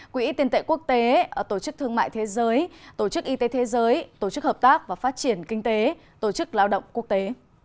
quỹ tiền tệ quốc tế tổ chức thương mại thế giới tổ chức y tế thế giới tổ chức hợp tác và phát triển kinh tế tổ chức lao động quốc tế